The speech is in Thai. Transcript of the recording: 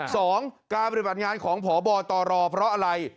สองการปฏิบัติงานของพบตรเพราะอะไร